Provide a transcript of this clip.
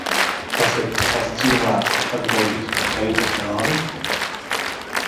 Tas ir tas pats cilvēks, kurš atbildīgs par Keitas nāvi?